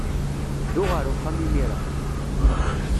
Ddu ɣer uxxam imir-a.